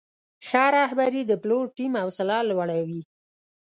ښه رهبري د پلور ټیم حوصله لوړوي.